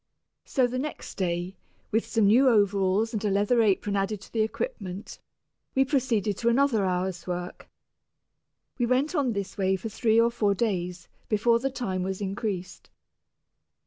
So the next day, with some new overalls and a leather apron added to the equipment, we proceeded to another hour's work. We went on this way for three or four days, before the time was increased.